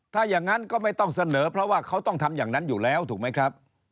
ถ้าอย่างนั้นก็ไม่ต้องเสนอเพราะว่าเขาต้องทำอย่างนั้นอยู่แล้วถูกไหมครับ